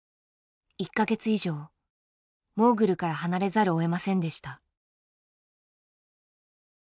１か月以上モーグルから離れざるをえませんでした。